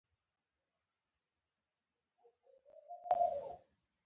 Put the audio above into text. سکاره تودوخه ورکوي